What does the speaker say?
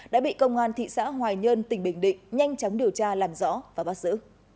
đã bị công an thị xã hoài nhơn tỉnh bình định nhanh chóng điều tra làm rõ và bắt giữ